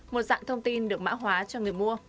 một dạng thông tin được mã hóa cho người mua